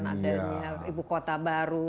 dan ibu kota baru